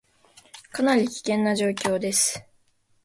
かなり危険な状況です